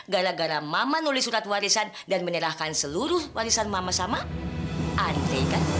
gara gara mama nulis surat warisan dan menyerahkan seluruh warisan mama sama anti